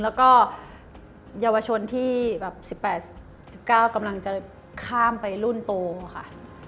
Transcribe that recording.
แล้วก็เยาวชนที่แบบ๑๘๑๙กำลังจะข้ามไปรุ่นโตค่ะ